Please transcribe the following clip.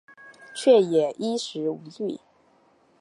却也衣食无虑